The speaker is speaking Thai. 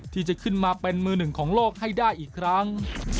ที่จะขึ้นมาเป็นมือหนึ่งของโลกให้ได้อีกครั้ง